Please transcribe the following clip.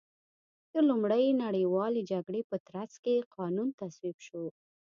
د لومړۍ نړیوالې جګړې په ترڅ کې قانون تصویب شو.